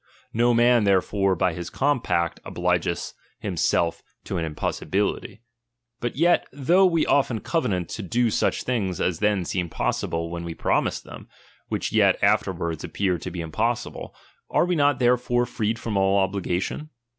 No man, therefore, by his compact obligeth him self to an impossibility. But yet, though we often covenant to do such things as then seemed possible when we promised them, which yet afterward ap pear to be impossible, are we not therefore freedfrom all obligation.